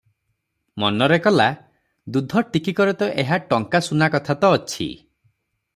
ମନରେ କଲା, ଦୁଧ ଟିକିକରେ ତ ଏହା'ଟଙ୍କା ସୁନା କଥା ତ ଅଛି ।